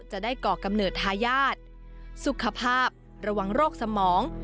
ก่อกำเนิดทายาทสุขภาพระวังโรคสมอง